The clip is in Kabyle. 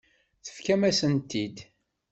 Tefkam-asent-t-id.